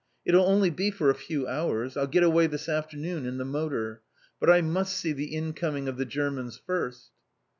It'll only be for a few hours. I'll get away this afternoon in the motor. But I must see the incoming of the Germans first!"